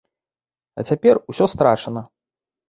А цяпер усё страчана.